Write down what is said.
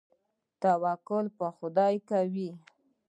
توکل په خدای کوئ؟